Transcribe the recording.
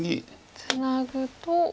ツナぐと。